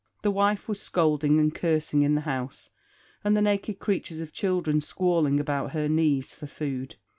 The wife was scolding and cursing in the house, and the naked creatures of childhre squalling about her knees for food.